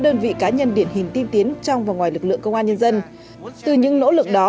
đơn vị cá nhân điển hình tiên tiến trong và ngoài lực lượng công an nhân dân từ những nỗ lực đó